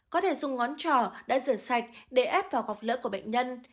có thể dùng ngón trò đã rửa sạch để ép vào gọc lỡ của bệnh nhân